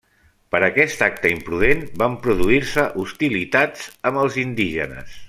Per aquest acte imprudent van produir-se hostilitats amb els indígenes.